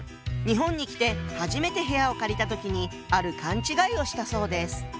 日本に来て初めて部屋を借りた時にある勘違いをしたそうです。